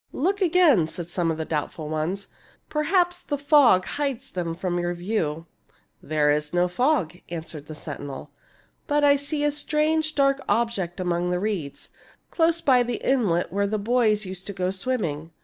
"Look again," said some of the doubtful ones. " Perhaps the fog hides them from your view." " There is no fog," answered the sentinel. " But I see a strange, dark object among the reeds, close by the inlet where the boys used to go swimming.